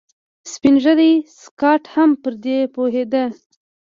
سپين ږيری سکاټ هم پر دې پوهېده.